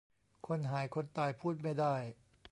คนหายคนตายพูดไม่ได้